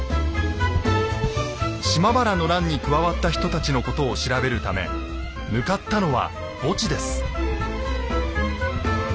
島原の乱に加わった人たちのことを調べるため向かったのは墓地です。